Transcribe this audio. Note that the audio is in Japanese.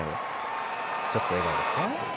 ちょっと笑顔ですね。